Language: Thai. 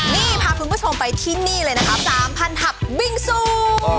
นี่พาคุณผู้ชมไปที่นี่เลยนะครับ๓๐๐ทับบิงซู